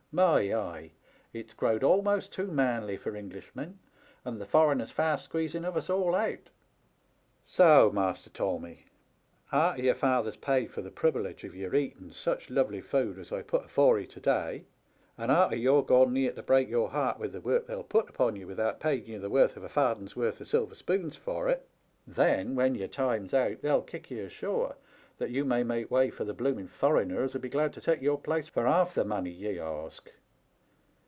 My eye ! It*s growed almost too manly for Englishmen, and the foreigner's fast squeezing of us all out. So, Master Tommy, arter your father's paid for the priwelege of your eating such lovely food as I've put afore 'ee to day, and arter you're gone near to break your heart with the work they'll put upon ye without paying you the worth of a farden's worth of silver spoons for it, then, when your time's out, they'll kick ye ashore that you may make way for the blooming foreigner as'U be glad to take your place for half the money ye ask.